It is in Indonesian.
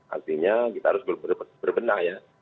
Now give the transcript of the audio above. artinya kita harus berbenah ya